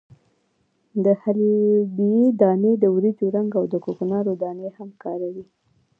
د حلبې دانې، د وریجو رنګ او د کوکنارو دانې هم کاروي.